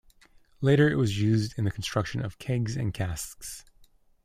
Later it was used in the construction of kegs and casks.